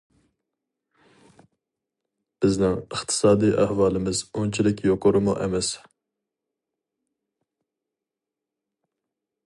بىزنىڭ ئىقتىسادىي ئەھۋالىمىز ئۇنچىلىك يۇقىرىمۇ ئەمەس.